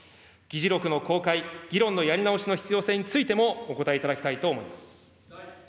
議事録の公開、議論のやり直しの必要性についてもお答えいただきたいと思います。